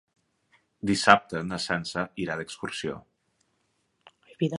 Dissabte na Sança irà d'excursió.